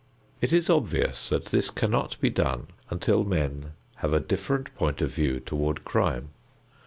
It is obvious that this cannot be done until men have a different point of view toward crime.